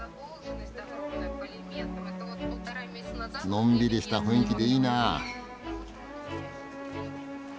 のんびりした雰囲気でいいなあ。